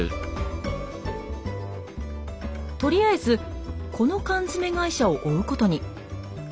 とりあえずこの缶詰会社を追うことに。